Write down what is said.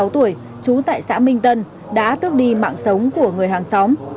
ba mươi sáu tuổi trú tại xã minh tân đã tước đi mạng sống của người hàng xóm